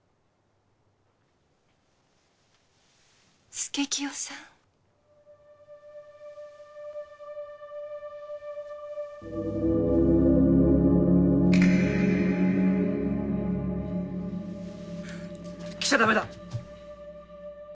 佐清さん。来ちゃだめだ！